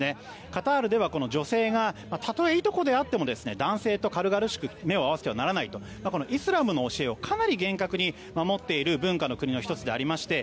カタールでは、女性がたとえいとこであっても男性と軽々しく目を合わせてはならないとイスラムの教えをかなり厳格に守っている文化の国の１つでありまして